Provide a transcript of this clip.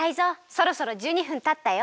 そろそろ１２分たったよ！